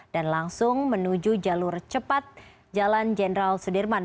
dan langsung menuju jalur cepat jalan jenderal sudirman